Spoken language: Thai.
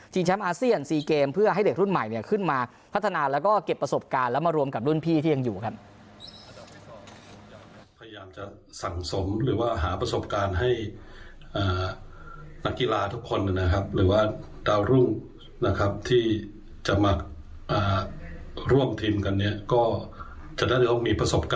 แชมป์อาเซียน๔เกมเพื่อให้เด็กรุ่นใหม่ขึ้นมาพัฒนาแล้วก็เก็บประสบการณ์แล้วมารวมกับรุ่นพี่ที่ยังอยู่กัน